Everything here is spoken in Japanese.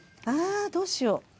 ああどうしよう。